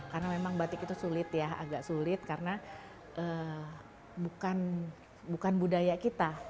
karena memang batik itu sulit ya agak sulit karena bukan budaya kita